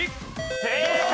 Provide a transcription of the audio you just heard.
正解！